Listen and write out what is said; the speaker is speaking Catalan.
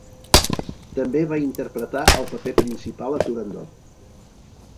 També va interpretar el paper principal a "Turandot".